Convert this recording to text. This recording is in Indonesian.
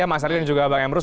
mas ardi dan juga bang emrus